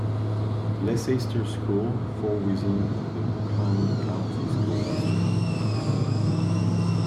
Leicester's schools fall within the Buncombe County School District.